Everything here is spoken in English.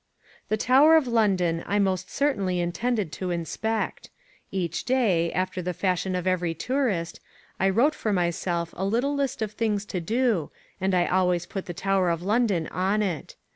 The Tower of London I most certainly intended to inspect. Each day, after the fashion of every tourist, I wrote for myself a little list of things to do and I always put the Tower of London on it.